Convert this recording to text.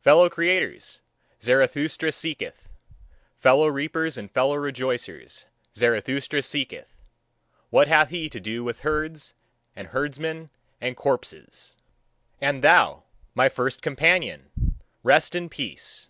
Fellow creators, Zarathustra seeketh; fellow reapers and fellow rejoicers, Zarathustra seeketh: what hath he to do with herds and herdsmen and corpses! And thou, my first companion, rest in peace!